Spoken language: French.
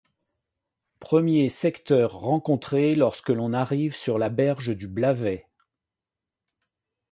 Premier secteur rencontré lorsque l'on arrive sur la berge du Blavet.